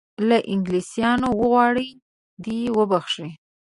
له انګلیسیانو وغواړي دی وبخښي.